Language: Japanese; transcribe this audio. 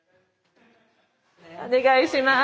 お願いします。